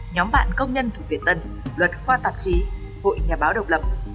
nhóm bạn công nhân thuộc việt tân luật khoa tạp chí hội nhà báo độc lập